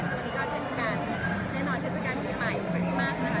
ช่วงนี้ก็ทรัพย์การแน่นอนทรัพย์การกลับมาอีกปรัสมากนะคะ